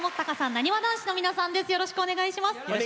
なにわ男子の皆さんです。